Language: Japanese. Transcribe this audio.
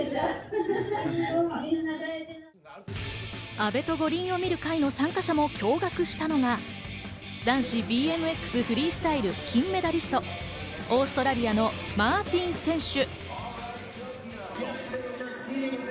「阿部と五輪を見る会」の参加者も驚愕したのが、男子ＢＭＸフリースタイル金メダリスト、オーストラリアのマーティン選手。